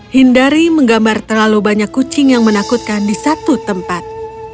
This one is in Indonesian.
hindari menggambar terlalu banyak kucing yang menakutkan di satu tempat